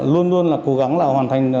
luôn luôn cố gắng hoàn thành